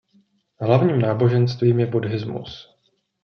Hlavním náboženstvím je buddhismus.